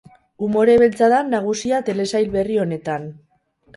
Umore beltza da nagusia telesail berri honetan.